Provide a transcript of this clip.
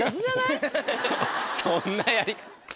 そんなやり方。